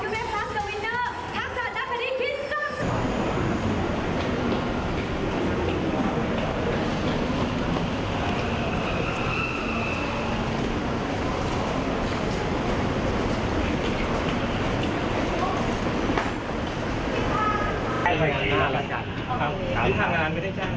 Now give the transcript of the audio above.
สิทธิ์ทางงานไม่ได้แจ้งไว้ขอโทษนะครับ